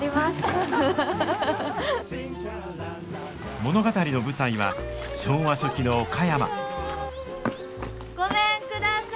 物語の舞台は昭和初期の岡山ごめんください。